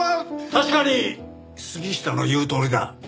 確かに杉下の言うとおりだ。